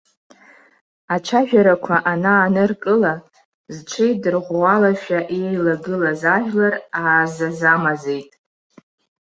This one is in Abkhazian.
Ацәажәарақәа анааныркыла, зҽеидырӷәӷәалашәа иеилагылаз ажәлар аазаза-мазеит.